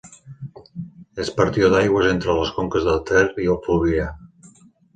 És partió d'aigües entre les conques del Ter i el Fluvià.